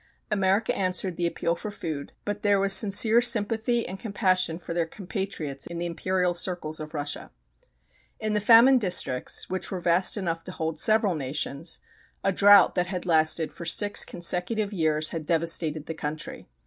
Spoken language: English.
America answered the appeal for food, but their was sincere sympathy and compassion for their compatriots in the imperial circles of Russia. In the famine districts, which were vast enough to hold several nations, a drought that had lasted for six consecutive years had devastated the country.